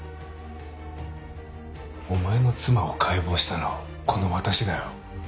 お前の妻を解剖したのはこの私だよ。